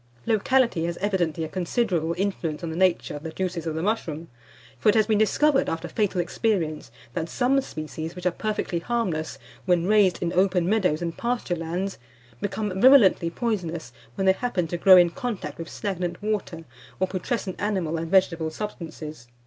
Locality has evidently a considerable influence on the nature of the juices of the mushroom; for it has been discovered, after fatal experience, that some species, which are perfectly harmless when raised in open meadows and pasturelands, become virulently poisonous when they happen to grow in contact with stagnant water or putrescent animal and vegetable substances.